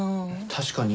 確かに。